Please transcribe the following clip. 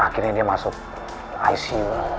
akhirnya dia masuk icu